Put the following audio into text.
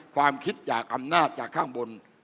ความคิดจากอำนาจจากข้างบน